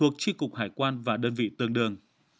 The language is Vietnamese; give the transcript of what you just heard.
chi cục hải quan và đơn vị tương đương